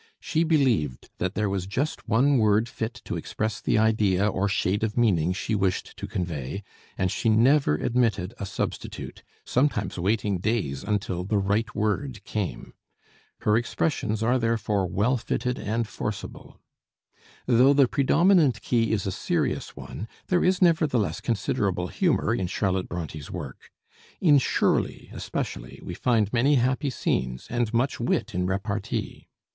She believed that there was just one word fit to express the idea or shade of meaning she wished to convey, and she never admitted a substitute, sometimes waiting days until the right word came. Her expressions are therefore well fitted and forcible. Though the predominant key is a serious one, there is nevertheless considerable humor in Charlotte Bronté's work. In 'Shirley' especially we find many happy scenes, and much wit in repartee.